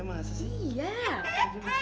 damar ini pacar aku loh